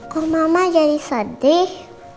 kok mama jadi sedih